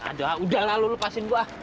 aduh udahlah lu lepasin gua